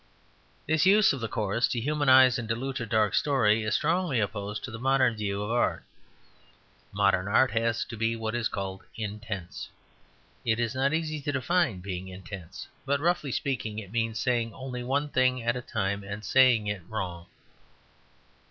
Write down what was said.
This use of the chorus to humanize and dilute a dark story is strongly opposed to the modern view of art. Modern art has to be what is called "intense." It is not easy to define being intense; but, roughly speaking, it means saying only one thing at a time, and saying it wrong.